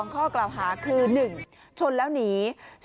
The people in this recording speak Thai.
ข้อกล่าวหาคือ๑ชนแล้วหนี